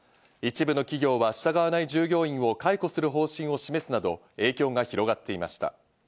一部の企業は従わない従業員を解雇する方針を示すなど影響が広がっていました。